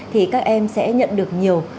thì các em sẽ nhận được nhiều